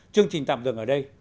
chương trình tạm dừng ở đây